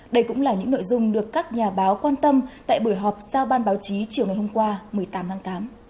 đây cũng là những nội dung được các nhà báo quan tâm tại buổi họp sau ban báo chí chiều ngày hôm qua một mươi tám tháng tám